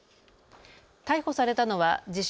逮捕されたのは自称